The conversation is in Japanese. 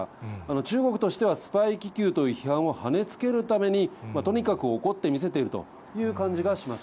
中国としてはスパイ気球という批判をはねつけるために、とにかく怒って見せているという感じがします。